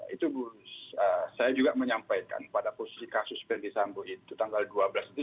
itu saya juga menyampaikan pada posisi kasus verdi sambo itu tanggal dua belas itu